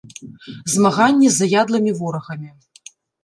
Змаганне з заядлымі ворагамі.